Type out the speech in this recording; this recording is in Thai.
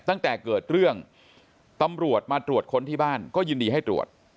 ตั้งแต่เกิดเรื่องตำรวจมาตรวจค้นที่บ้านก็ยินดีให้ตรวจ